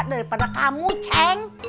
daripada kamu ceng